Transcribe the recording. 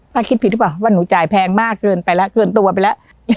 คิดผิดหรือเปล่าว่าหนูจ่ายแพงมากเกินไปแล้วเกินตัวไปแล้ว